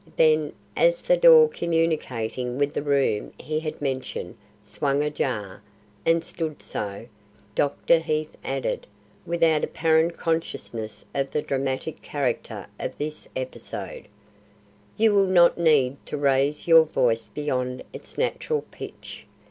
Then, as the door communicating with the room he had mentioned swung ajar and stood so, Dr. Heath added, without apparent consciousness of the dramatic character of this episode, "You will not need to raise your voice beyond its natural pitch.